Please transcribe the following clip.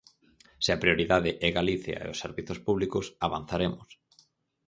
Se a prioridade é Galicia e os servizos públicos, avanzaremos.